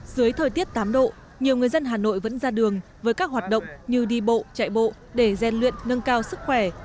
dưới thời tiết tám độ nhiều người dân hà nội vẫn ra đường với các hoạt động như đi bộ chạy bộ để gian luyện nâng cao sức khỏe